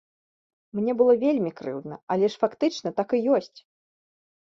Мне было вельмі крыўдна, але ж фактычна так і ёсць!